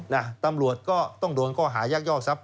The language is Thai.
นะตำรวจก็ต้องโดนข้อหายักยอกทรัพย